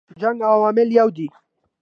جنګ عواملو یو دی.